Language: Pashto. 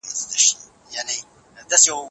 هغه خلک چې مېوې خوري ډېر کم ناروغه کیږي.